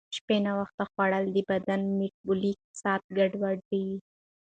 شپې ناوخته خوړل د بدن میټابولیک ساعت ګډوډوي.